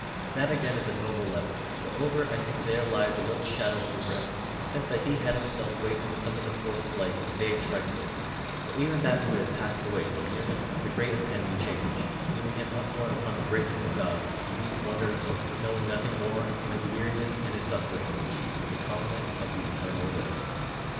That again is a noble letter; but over it I think there lies a little shadow of regret, a sense that he had himself wasted some of the force of life in vague trifling; but even that mood had passed away in the nearness of the great impending change, leaving him upborne upon the greatness of God, in deep wonder and hope, knowing nothing more, in his weariness and his suffering, but the calmness of the Eternal Will.